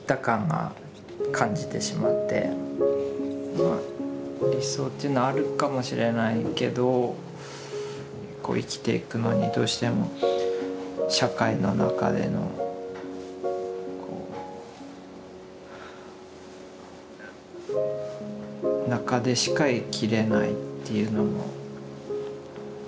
でそれから理想っていうのはあるかもしれないけど生きていくのにどうしても社会の中での中でしか生きれないっていうのもあるし。